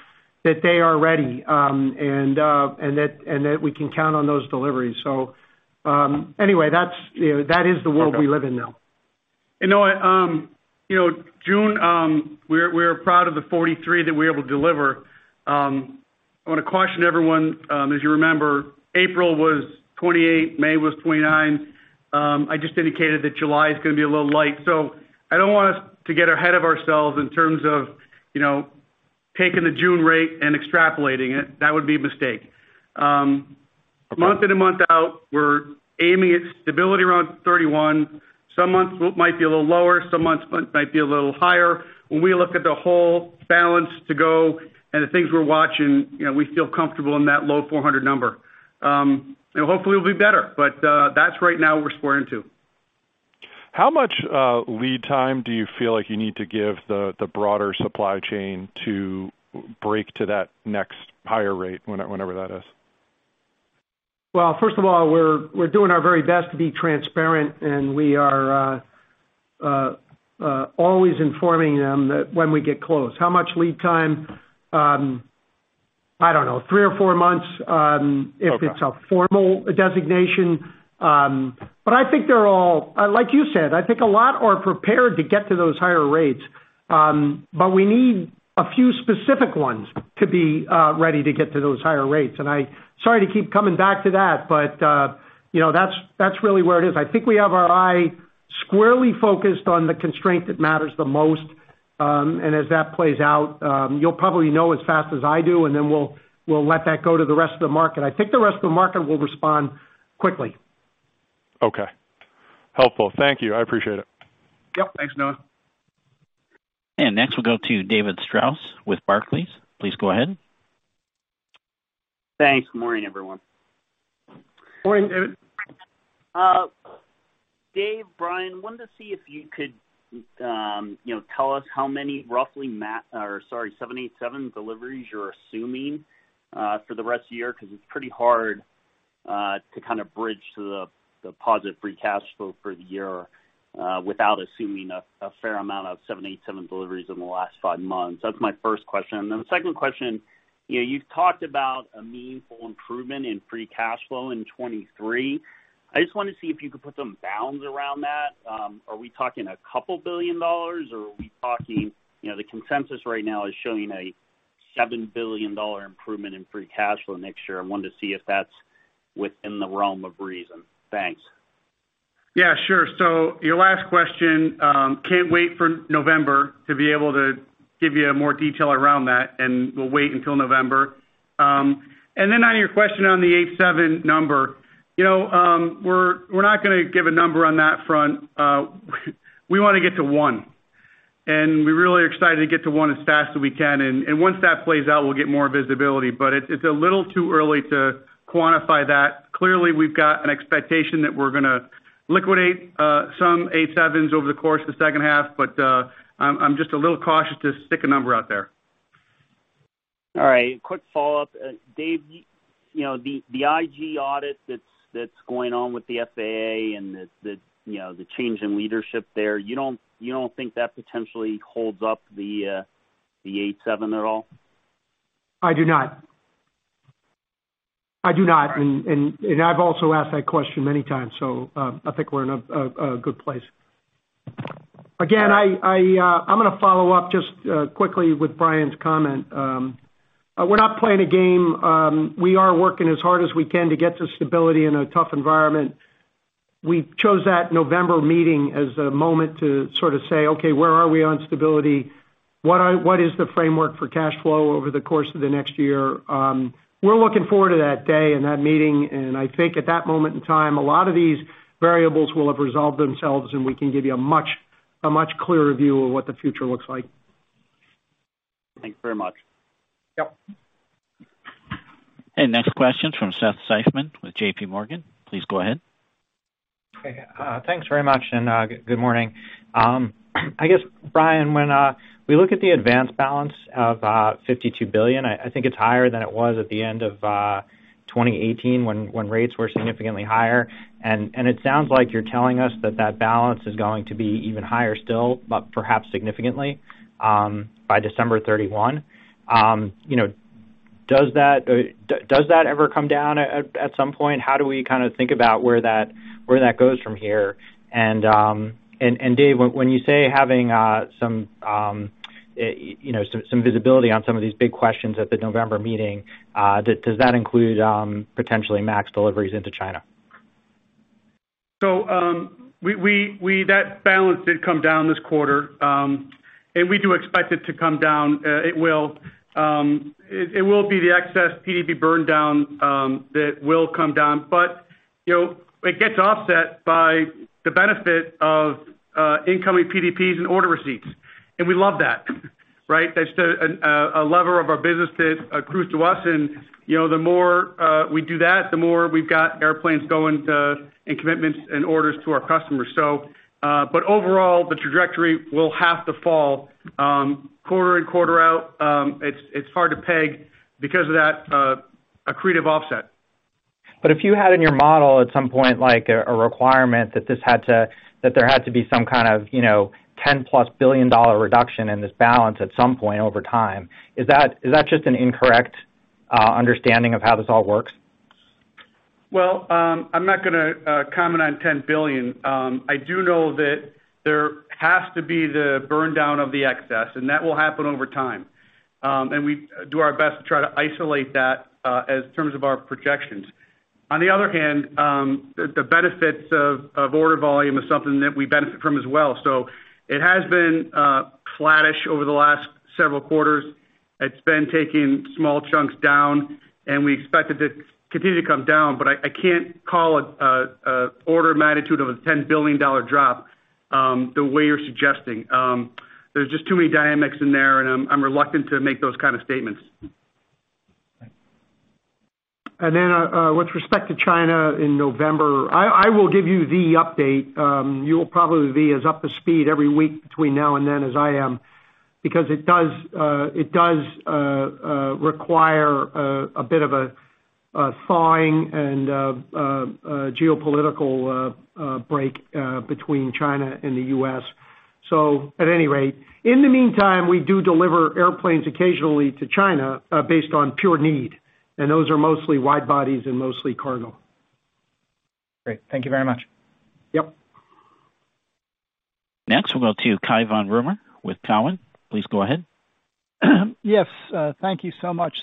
that they are ready, and that we can count on those deliveries. Anyway, that's, you know, that is the world we live in now.
Noah, you know, June, we're proud of the 43 that we're able to deliver. I wanna caution everyone, as you remember, April was 28, May was 29. I just indicated that July is gonna be a little light. I don't want us to get ahead of ourselves in terms of, you know, taking the June rate and extrapolating it. That would be a mistake. Month in and month out, we're aiming at stability around 31. Some months might be a little lower, some months might be a little higher. When we look at the whole balance to go and the things we're watching, you know, we feel comfortable in that low 400 number. And hopefully we'll be better. That's right now what we're squaring to.
How much lead time do you feel like you need to give the broader supply chain to break to that next higher rate whenever that is?
Well, first of all, we're doing our very best to be transparent, and we are always informing them that when we get close. How much lead time? I don't know, three or four months.
Okay
If it's a formal designation. I think they're all like you said. I think a lot are prepared to get to those higher rates. We need a few specific ones to be ready to get to those higher rates. Sorry to keep coming back to that, but you know, that's really where it is. I think we have our eye squarely focused on the constraint that matters the most. As that plays out, you'll probably know as fast as I do, and then we'll let that go to the rest of the market. I think the rest of the market will respond quickly.
Okay. Helpful. Thank you. I appreciate it.
Yep. Thanks, Noah.
Next we'll go to David Strauss with Barclays. Please go ahead.
Thanks. Morning, everyone.
Morning, David.
Dave, Brian, wanted to see if you could, you know, tell us how many, roughly 787 deliveries you're assuming for the rest of the year, 'cause it's pretty hard to kind of bridge to the positive free cash flow for the year without assuming a fair amount of 787 deliveries in the last five months. That's my first question. Then the second question, you know, you've talked about a meaningful improvement in free cash flow in 2023. I just wanted to see if you could put some bounds around that. Are we talking a couple billion dollars, or are we talking, you know, the consensus right now is showing a $7 billion improvement in free cash flow next year. I wanted to see if that's within the realm of reason. Thanks.
Yeah, sure. Your last question, can't wait for November to be able to give you more detail around that, and we'll wait until November. On your question on the 787 number, you know, we're not gonna give a number on that front. We want to get to one, and we're really excited to get to one as fast as we can. Once that plays out, we'll get more visibility. It's a little too early to quantify that. Clearly, we've got an expectation that we're gonna liquidate some 787s over the course of the second half, but I'm just a little cautious to stick a number out there.
All right. Quick follow-up. Dave, you know, the IG audit that's going on with the FAA and the, you know, the change in leadership there, you don't think that potentially holds up the 787 at all?
I do not.
All right.
I've also asked that question many times, so I think we're in a good place. Again, I'm gonna follow up just quickly with Brian's comment. We're not playing a game. We are working as hard as we can to get to stability in a tough environment. We chose that November meeting as a moment to sort of say, okay, where are we on stability? What is the framework for cash flow over the course of the next year? We're looking forward to that day and that meeting. I think at that moment in time, a lot of these variables will have resolved themselves, and we can give you a much clearer view of what the future looks like.
Thank you very much.
Yep.
Next question from Seth Seifman with J.P. Morgan. Please go ahead.
Okay. Thanks very much, and good morning. I guess, Brian, when we look at the advances balance of $52 billion, I think it's higher than it was at the end of 2018 when rates were significantly higher. It sounds like you're telling us that that balance is going to be even higher still, but perhaps significantly by December 31. You know, does that ever come down at some point? How do we kinda think about where that goes from here? Dave, when you say having some visibility on some of these big questions at the November meeting, does that include potentially MAX deliveries into China?
That balance did come down this quarter, and we do expect it to come down. It will. It will be the excess PDP burn down that will come down. But, you know, it gets offset by the benefit of incoming PDPs and order receipts, and we love that, right? That's a lever of our business that accrues to us and, you know, the more we do that, the more we've got airplanes going to, and commitments and orders to our customers. But overall, the trajectory will have to fall quarter in, quarter out. It's hard to peg because of that accretive offset.
If you had in your model at some point, like a requirement that there had to be some kind of, you know, $10+ billion reduction in this balance at some point over time, is that just an incorrect understanding of how this all works?
Well, I'm not gonna comment on $10 billion. I do know that there has to be the burn down of the excess, and that will happen over time. We do our best to try to isolate that in terms of our projections. On the other hand, the benefits of order volume is something that we benefit from as well. It has been flattish over the last several quarters. It's been taking small chunks down, and we expect it to continue to come down, but I can't call it an order of magnitude of a $10 billion drop, the way you're suggesting. There's just too many dynamics in there, and I'm reluctant to make those kind of statements.
Thanks.
With respect to China in November, I will give you the update. You'll probably be as up to speed every week between now and then as I am. Because it does require a bit of a thawing and geopolitical break between China and the U.S. At any rate, in the meantime, we do deliver airplanes occasionally to China, based on pure need, and those are mostly wide bodies and mostly cargo.
Great. Thank you very much.
Yep.
Next, we'll go to Cai von Rumohr with Cowen. Please go ahead.
Yes. Thank you so much.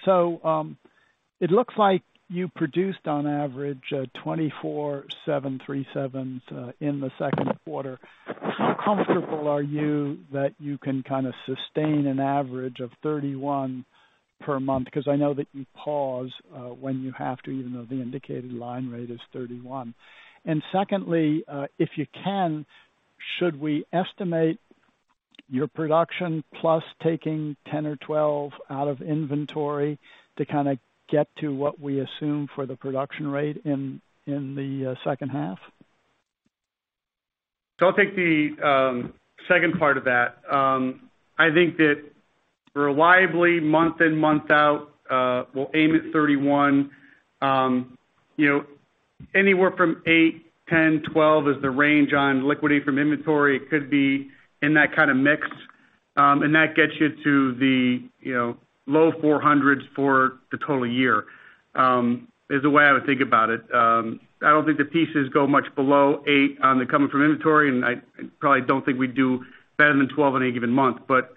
It looks like you produced on average 24 737s in the second quarter. How comfortable are you that you can kinda sustain an average of 31 per month? Because I know that you pause when you have to, even though the indicated line rate is 31. If you can, should we estimate your production plus taking 10 or 12 out of inventory to kinda get to what we assume for the production rate in the second half?
I'll take the second part of that. I think that reliably, month in, month out, we'll aim at 31. You know, anywhere from eight, 10, 12 is the range on liquidity from inventory. It could be in that kind of mix, and that gets you to the low 400s for the total year, is the way I would think about it. I don't think the cash goes much below eight coming from inventory, and I probably don't think we'd do better than 12 in a given month. But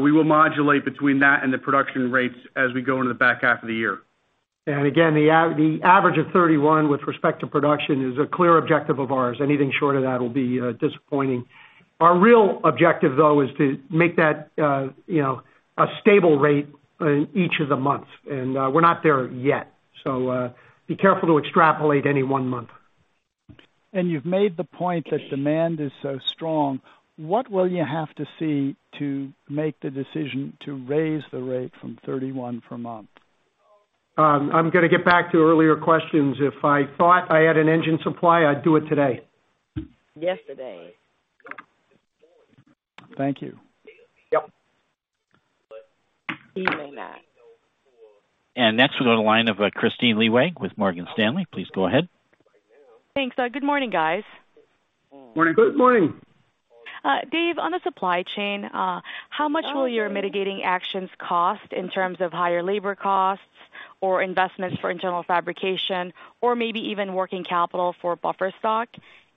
we will modulate between that and the production rates as we go into the back half of the year.
The average of 31 with respect to production is a clear objective of ours. Anything short of that will be disappointing. Our real objective, though, is to make that, you know, a stable rate each of the months, and we're not there yet. Be careful to extrapolate any one month.
You've made the point that demand is so strong. What will you have to see to make the decision to raise the rate from 31 per month?
I'm gonna get back to earlier questions. If I thought I had an engine supply, I'd do it today.
Yesterday.
Thank you.
Yep.
Next we go to the line of Kristine Liwag with Morgan Stanley. Please go ahead.
Thanks. Good morning, guys.
Morning.
Good morning.
Dave, on the supply chain, how much will your mitigating actions cost in terms of higher labor costs or investments for internal fabrication or maybe even working capital for buffer stock?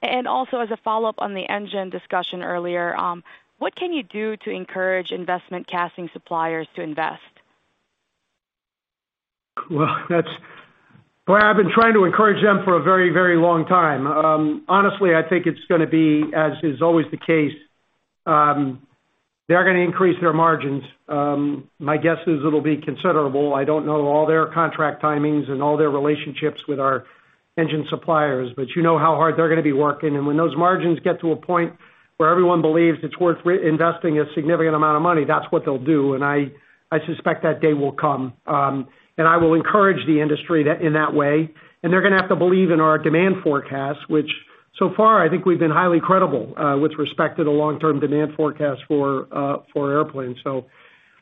As a follow-up on the engine discussion earlier, what can you do to encourage investment casting suppliers to invest?
Well, I've been trying to encourage them for a very, very long time. Honestly, I think it's gonna be, as is always the case, they're gonna increase their margins. My guess is it'll be considerable. I don't know all their contract timings and all their relationships with our engine suppliers, but you know how hard they're gonna be working. When those margins get to a point where everyone believes it's worth reinvesting a significant amount of money, that's what they'll do. I suspect that day will come, and I will encourage the industry in that way. They're gonna have to believe in our demand forecast, which so far I think we've been highly credible with respect to the long-term demand forecast for airplanes.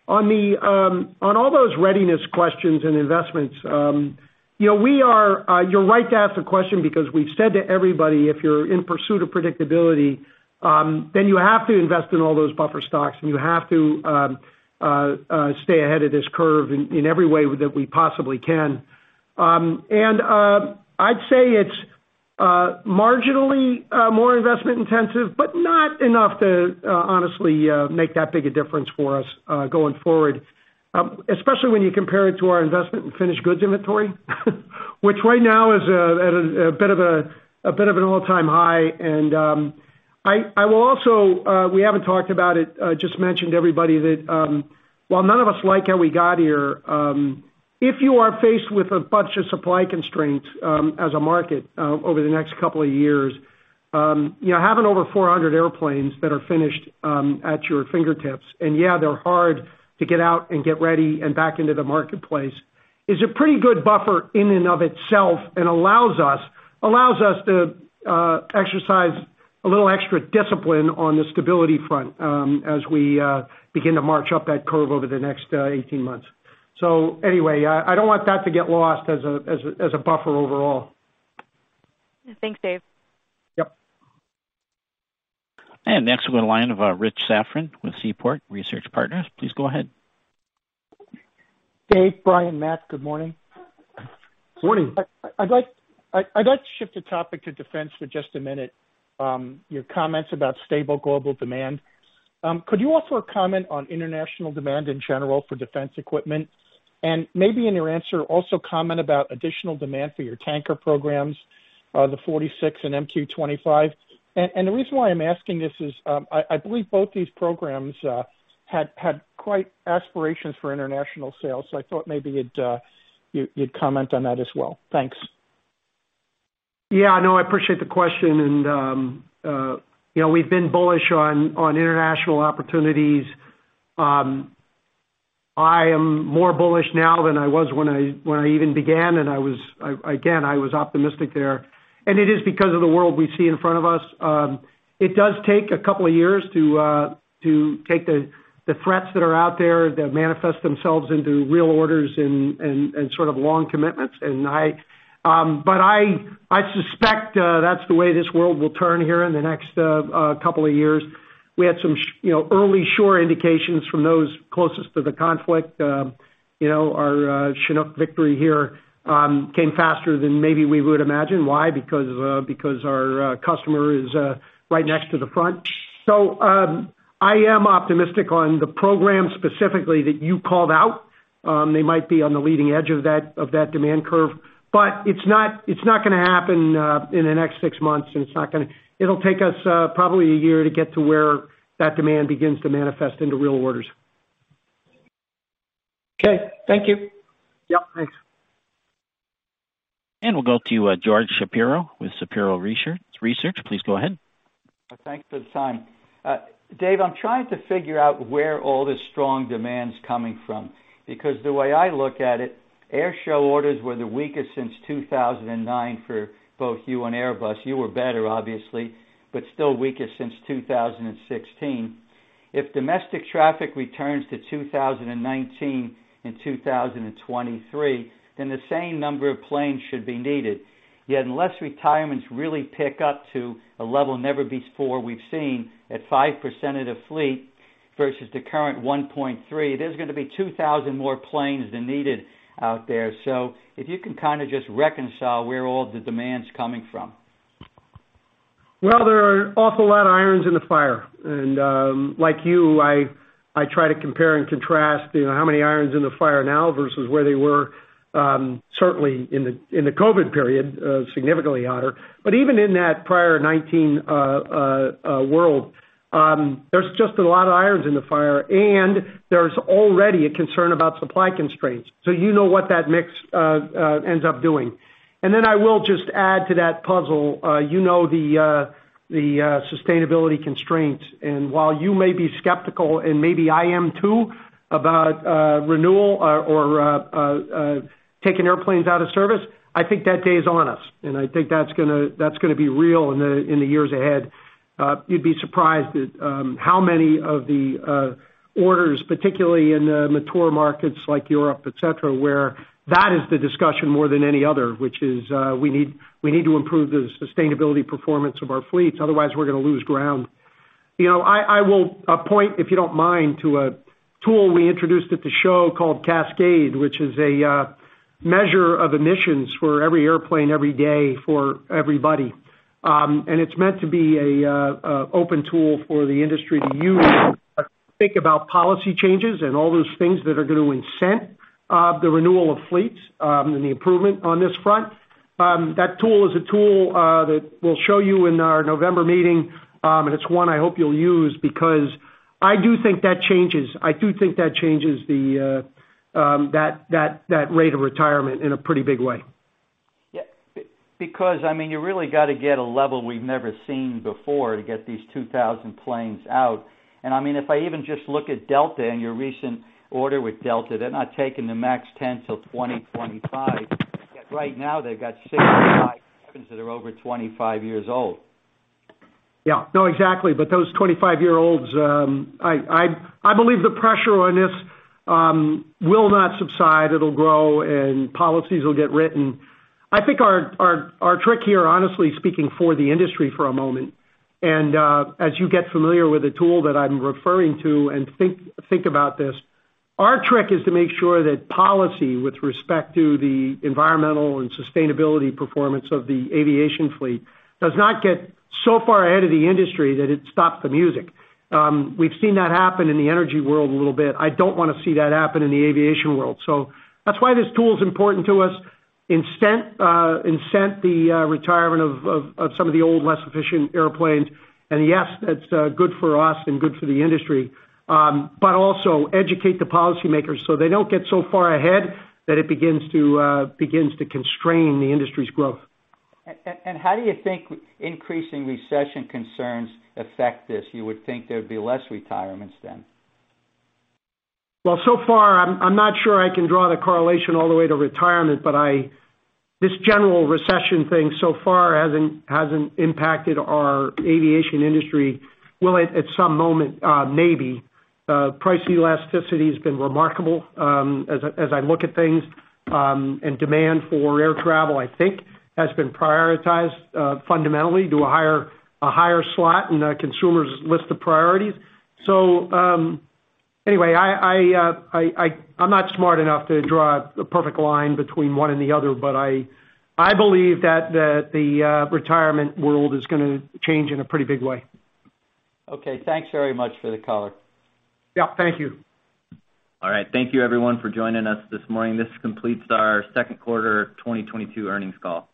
On all those readiness questions and investments, you know, you're right to ask the question because we've said to everybody, if you're in pursuit of predictability, then you have to invest in all those buffer stocks, and you have to stay ahead of this curve in every way that we possibly can. I'd say it's marginally more investment intensive, but not enough to honestly make that big a difference for us going forward. Especially when you compare it to our investment in finished goods inventory, which right now is at a bit of an all-time high. I will also, we haven't talked about it, just mentioned to everybody that, while none of us like how we got here, if you are faced with a bunch of supply constraints, as a market, over the next couple of years, you know, having over 400 airplanes that are finished, at your fingertips, and yeah, they're hard to get out and get ready and back into the marketplace, is a pretty good buffer in and of itself, and allows us to exercise a little extra discipline on the stability front, as we begin to march up that curve over the next, 18 months. Anyway, I don't want that to get lost as a buffer overall.
Thanks, Dave.
Yep.
Next, we go to the line of Richard Safran with Seaport Research Partners. Please go ahead.
Dave, Brian, Matt. Good morning.
Morning.
I'd like to shift the topic to defense for just a minute. Your comments about stable global demand. Could you offer a comment on international demand in general for defense equipment? Maybe in your answer, also comment about additional demand for your tanker programs, the KC-46 and MQ-25. The reason why I'm asking this is, I believe both these programs had high aspirations for international sales. I thought maybe you'd comment on that as well. Thanks.
Yeah. No, I appreciate the question. You know, we've been bullish on international opportunities. I am more bullish now than I was when I even began, and I was optimistic there. It is because of the world we see in front of us. It does take a couple of years to take the threats that are out there that manifest themselves into real orders and sort of long commitments. But I suspect that's the way this world will turn here in the next couple of years. We had some you know, early sure indications from those closest to the conflict. You know, our Chinook victory here came faster than maybe we would imagine. Why? Because our customer is right next to the front. I am optimistic on the program specifically that you called out. They might be on the leading edge of that demand curve, but it's not gonna happen in the next six months, and it's not gonna. It'll take us probably a year to get to where that demand begins to manifest into real orders.
Okay. Thank you.
Yep. Thanks.
We'll go to George Shapiro with Shapiro Research. Please go ahead.
Thanks for the time. Dave, I'm trying to figure out where all this strong demand's coming from because the way I look at it, airshow orders were the weakest since 2009 for both you and Airbus. You were better obviously, but still weakest since 2016. If domestic traffic returns to 2019 in 2023, then the same number of planes should be needed. Yet unless retirements really pick up to a level never before we've seen at 5% of the fleet versus the current 1.3%, there's gonna be 2000 more planes than needed out there. If you can kinda just reconcile where all the demand's coming from.
Well, there are an awful lot of irons in the fire. Like you, I try to compare and contrast, you know, how many irons in the fire now versus where they were, certainly in the COVID period, significantly higher. Even in that pre-2019 world, there's just a lot of irons in the fire, and there's already a concern about supply constraints. You know what that mix ends up doing. Then I will just add to that puzzle, you know, the sustainability constraints, and while you may be skeptical, and maybe I am too, about renewal or taking airplanes out of service, I think that day is on us. I think that's gonna be real in the years ahead. You'd be surprised at how many of the orders, particularly in the mature markets like Europe, et cetera, where that is the discussion more than any other, which is we need to improve the sustainability performance of our fleets, otherwise we're gonna lose ground. You know, I will point, if you don't mind, to a tool we introduced at the show called Cascade, which is a measure of emissions for every airplane every day for everybody. It's meant to be an open tool for the industry to use think about policy changes and all those things that are gonna incent the renewal of fleets and the improvement on this front. That tool is a tool that we'll show you in our November meeting, and it's one I hope you'll use because I do think that changes the rate of retirement in a pretty big way.
Yeah. Because, I mean, you really gotta get a level we've never seen before to get these 2,000 planes out. I mean, if I even just look at Delta and your recent order with Delta, they're not taking the MAX 10 till 2025. Yet right now they've got 65 that are over 25 years old.
Yeah. No, exactly. Those 25-year-olds, I believe the pressure on this will not subside. It'll grow and policies will get written. I think our trick here, honestly speaking for the industry for a moment, and as you get familiar with the tool that I'm referring to and think about this, our trick is to make sure that policy with respect to the environmental and sustainability performance of the aviation fleet does not get so far ahead of the industry that it stops the music. We've seen that happen in the energy world a little bit. I don't wanna see that happen in the aviation world. That's why this tool is important to us. Incent the retirement of some of the old, less efficient airplanes. Yes, that's good for us and good for the industry. Also educate the policymakers so they don't get so far ahead that it begins to constrain the industry's growth.
How do you think increasing recession concerns affect this? You would think there'd be less retirements than.
Well, so far, I'm not sure I can draw the correlation all the way to retirement, but this general recession thing so far hasn't impacted our aviation industry. Will it at some moment? Maybe. Price elasticity has been remarkable as I look at things. And demand for air travel, I think, has been prioritized fundamentally to a higher slot in a consumer's list of priorities. Anyway, I'm not smart enough to draw a perfect line between one and the other, but I believe that the retirement world is gonna change in a pretty big way.
Okay. Thanks very much for the color.
Yeah, thank you.
All right. Thank you everyone for joining us this morning. This completes our second quarter 2022 earnings call.